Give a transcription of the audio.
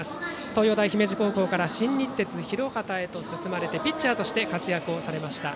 東洋大姫路高校から新日鉄広畑へと進まれてピッチャーとして活躍されました。